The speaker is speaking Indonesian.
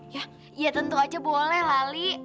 ya ya tentu aja boleh lali